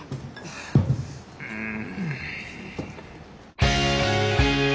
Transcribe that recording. うん。